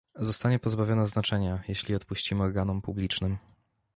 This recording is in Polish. Zostanie pozbawiona znaczenia, jeżeli odpuścimy organom publicznym